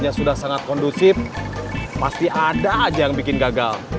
ada aja yang bikin gagal